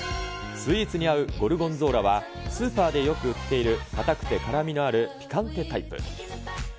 スイーツに合うゴルゴンゾーラは、スーパーでよく売っている硬くて辛みのあるピカンテタイプ。